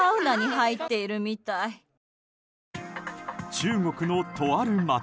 中国のとある街。